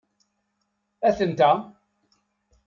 Aten-a!